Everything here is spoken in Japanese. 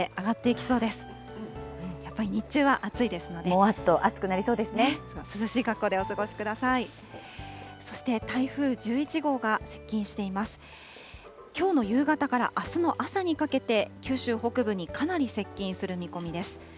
きょうの夕方からあすの朝にかけて、九州北部にかなり接近する見込みです。